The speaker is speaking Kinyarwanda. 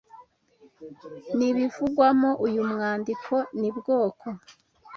n’ibivugwamo uyu mwandiko ni bwoko